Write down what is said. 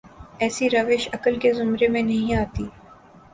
ایسی روش عقل کے زمرے میں نہیںآتی۔